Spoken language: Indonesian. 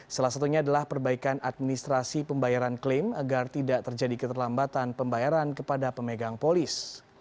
salah satunya adalah perbaikan administrasi pembayaran klaim agar tidak terjadi keterlambatan pembayaran kepada pemegang polis